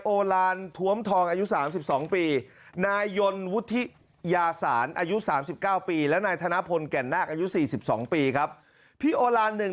บริเวณหน้าน้ำนะครับเยื้องกับตลาดเก่าอ่างศิลาตะบลอ่างศิลาม